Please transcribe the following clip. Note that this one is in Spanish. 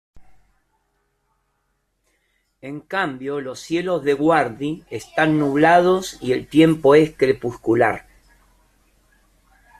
En cambio, los cielos de Guardi están nublados y el tiempo es crepuscular.